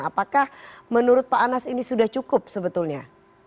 apakah menurut pak anas ini sudah cukup sebetulnya